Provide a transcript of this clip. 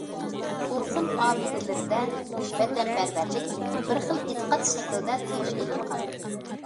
« ئورخۇن ئابىدىلىرى» دە ۋەتەنپەرۋەرلىك بىر خىل ئېتىقاد شەكلىدە تىلغا ئېلىنغان.